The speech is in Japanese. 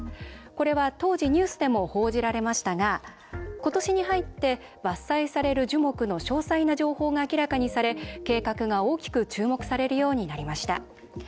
これは当時ニュースでも報じられましたがことしに入って伐採される樹木の詳細な情報が明らかにされ計画が大きく注目されるようになりました。